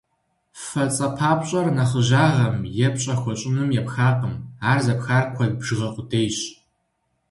«Фэ» цӏэпапщӏэр нэхъыжьагъым е пщӏэ хуэщӏыным епхакъым, ар зэпхар куэд бжыгъэ къудейщ.